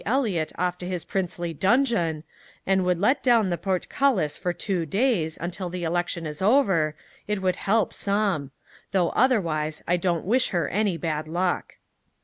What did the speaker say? Eliot off to his princely donjon, and would let down the portcullis for two days, until the election is over, it would help some! Though otherwise I don't wish her any bad luck!"